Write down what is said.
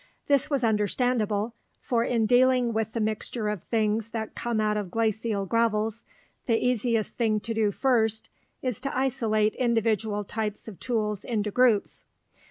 This was understandable, for in dealing with the mixture of things that come out of glacial gravels the easiest thing to do first is to isolate individual types of tools into groups.